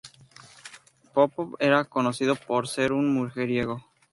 Popov era conocido por ser un mujeriego.